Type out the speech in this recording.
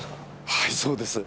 はいそうです。